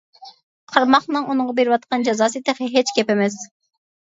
قارماقنىڭ ئۇنىڭغا بېرىۋاتقان جازاسى تېخى ھېچ گەپ ئەمەس.